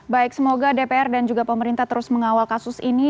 baik semoga dpr dan juga pemerintah terus mengawal kasus ini